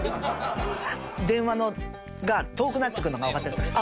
電話が遠くなっていくのがわかったんですよ。